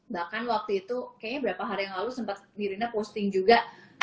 bahkan waktu itu kayaknya beberapa hari yang lalu sempat mirina posting juga